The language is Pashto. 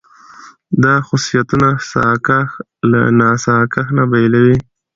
دا خصوصيتونه ساکښ له ناساکښ نه بېلوي.